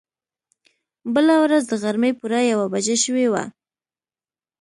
بله ورځ د غرمې پوره يوه بجه شوې وه.